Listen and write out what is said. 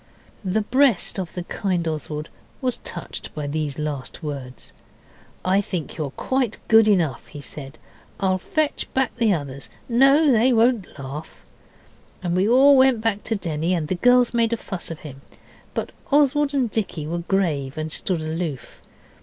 The breast of the kind Oswald was touched by these last words. 'I think you're quite good enough,' he said. 'I'll fetch back the others no, they won't laugh.' And we all went back to Denny, and the girls made a fuss with him. But Oswald and Dicky were grave and stood aloof.